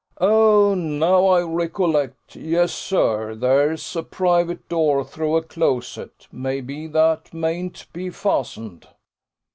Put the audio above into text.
"Oh, now I recollect yes, sir, there's a private door through a closet: may be that mayn't be fastened."